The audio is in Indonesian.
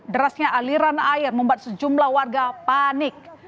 derasnya aliran air membuat sejumlah warga panik